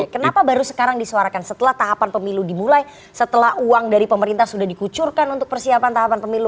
kenapa baru sekarang disuarakan setelah tahapan pemilu dimulai setelah uang dari pemerintah sudah dikucurkan untuk persiapan tahapan pemilu